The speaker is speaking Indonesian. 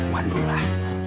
wan dulu lah